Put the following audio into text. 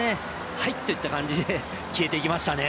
「はい」といった感じで消えていきましたね。